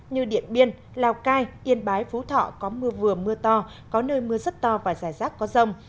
như điện biên lào cai yên bái phú thọ có mưa vừa mưa to có nơi mưa rất to và rải rác có rông